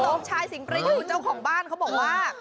นะเพราะชายสิงห์ประยุเจ้าของบ้านเขาบอกว่า